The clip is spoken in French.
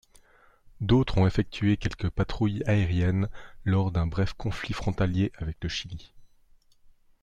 D'autres ont effectué quelques patrouilles aériennes lors d'un bref conflit frontalier avec le Chili.